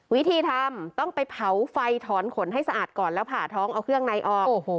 วิธีทำต้องไปเผาไฟถอนขนให้สะอาดก่อนแล้วผ่าท้องเอาเครื่องในออก